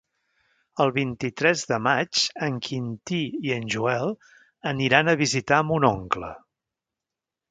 El vint-i-tres de maig en Quintí i en Joel aniran a visitar mon oncle.